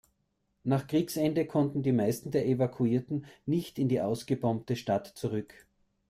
Nach Kriegsende konnten die meisten der Evakuierten nicht in die ausgebombte Stadt zurück.